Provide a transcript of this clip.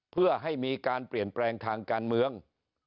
เพื่อให้มีการเปลี่ยนแปลงทางการเมือง